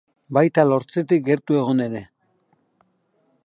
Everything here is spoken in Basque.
Baita lortzetik gertu egon ere.